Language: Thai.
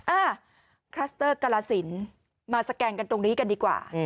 อ่ะคลัสเตอร์กาลสินมาสแกนกันตรงนี้กันดีกว่า